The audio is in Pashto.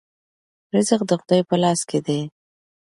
رزق د خدای په لاس کې دی.